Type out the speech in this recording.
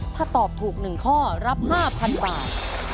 ถ้าตอบถูก๑ข้อรับ๕๐๐๐บาท